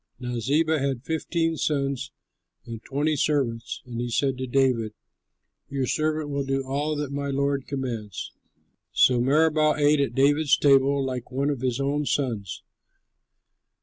Now Ziba had fifteen sons and twenty servants; and he said to David, "Your servant will do all that my lord commands." So Meribaal ate at David's table like one of his own sons.